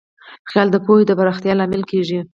خیال د پوهې د پراختیا لامل کېږي.